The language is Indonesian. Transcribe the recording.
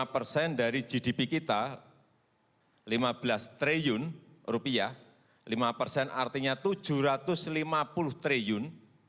lima persen dari gdp kita lima belas triliun rupiah lima persen artinya tujuh ratus lima puluh triliun